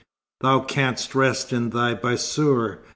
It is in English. "Thou canst rest in thy bassour?"